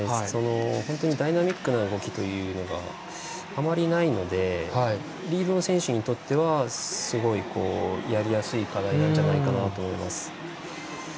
本当にダイナミックな動きというのがあまりないのでリードの選手にとってはやりやすい課題なんじゃないかなと思います。